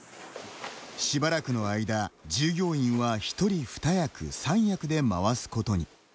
しばらくの間、従業員は一人二役三役で回すことに。